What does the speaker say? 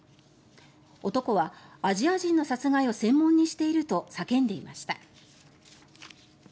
男は、アジア人の殺害を専門にしていると叫んでいました。